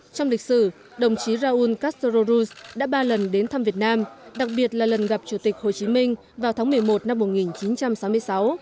trong lịch sử đồng chí raúl castro ruz đã ba lần đến thăm việt nam đặc biệt là lần gặp chủ tịch hồ chí minh vào tháng một mươi một năm một nghìn chín trăm sáu mươi sáu